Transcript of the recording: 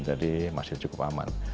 jadi masih cukup aman